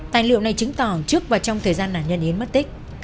tài liệu này chứng tỏ trước và trong thời gian nạn nhân yến mất tích